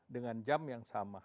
dengan jam yang sama